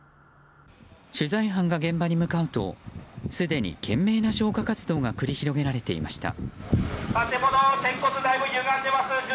取材班が現場に向かうとすでに懸命な消火活動が繰り広げられていました。